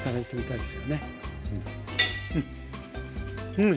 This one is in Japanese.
うん。